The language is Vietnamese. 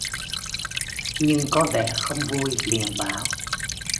Nhưng có vẻ không vui liền bảo